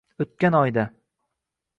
O'tkan oyda